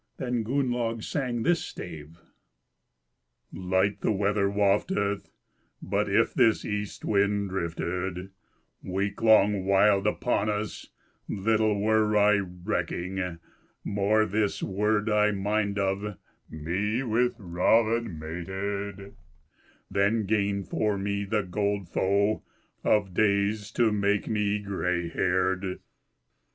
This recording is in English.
Then Gunnlaug sang this stave: "Light the weather wafteth; But if this east wind drifted Week long, wild upon us Little were I recking; More this word I mind of Me with Raven mated, Than gain for me the gold foe Of days to make me grey haired."